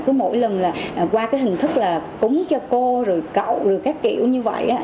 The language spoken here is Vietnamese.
cứ mỗi lần là qua cái hình thức là cúng cho cô rồi cậu rồi các kiểu như vậy á